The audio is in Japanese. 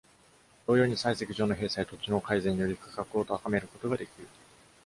同様に、砕石場の閉鎖や土地の改善により価格を高めることができる。